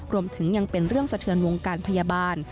รวมถึงยังเป็นเรื่องสะเทือนวงการพยาบาล